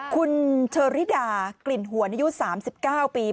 คุณเชอริดากลิ่นหวนอายุ๓๙ปี